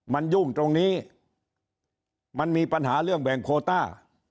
มันยุ่งตรงนี้มันมีปัญหาเรื่องแบ่งโคต้า